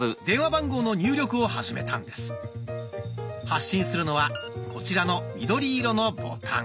発信するのはこちらの緑色のボタン。